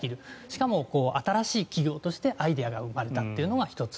しかも、新しい企業としてアイデアが生まれたというのが１つ。